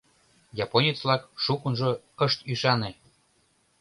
Японец-влак шукынжо ышт ӱшане.